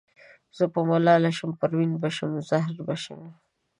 زه به ملاله شم پروین به شم زهره به شمه